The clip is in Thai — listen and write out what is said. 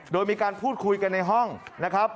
โดยมีการพูดคุยกันในห้องนะครับ